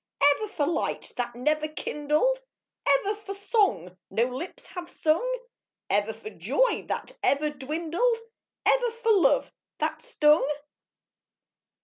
Ever for Light That never kindled? Ever for Song No lips have sung? Ever for Joy That ever dwindled? Ever for Love that stung?